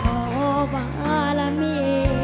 พ่อก็เหลือเมีย